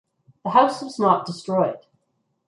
The house was not destroyed.